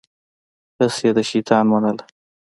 هسې يې د شيطان منله.